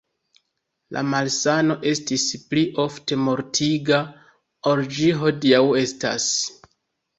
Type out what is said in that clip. La malsano estis pli ofte mortiga ol ĝi hodiaŭ estas.